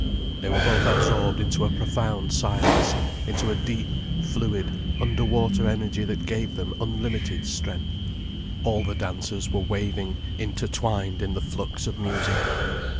They were both absorbed into a profound silence, into a deep, fluid underwater energy that gave them unlimited strength. All the dancers were waving intertwined in the flux of music.